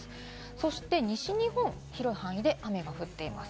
そして西日本、広い範囲で雨が降っています。